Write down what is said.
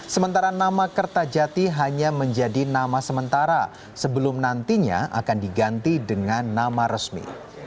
sementara nama kertajati hanya menjadi nama sementara sebelum nantinya akan diganti dengan nama resmi